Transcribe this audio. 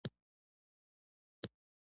کور د انسان د خوښۍ ماڼۍ ده.